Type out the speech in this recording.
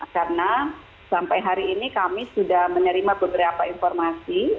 karena sampai hari ini kami sudah menerima beberapa informasi